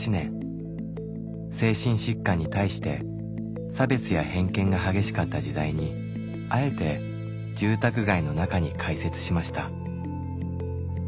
精神疾患に対して差別や偏見が激しかった時代にあえて住宅街の中に開設しました。